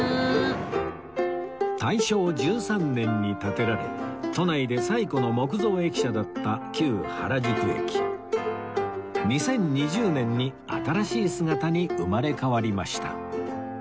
大正１３年に建てられ都内で最古の木造駅舎だった旧原宿駅２０２０年に新しい姿に生まれ変わりました